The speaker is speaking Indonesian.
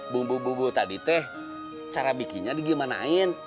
bumbu bumbu tadi teh cara bikinnya digimanain